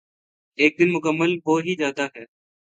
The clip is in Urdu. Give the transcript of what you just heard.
ایک دن مکمل ہو ہی جاتا یے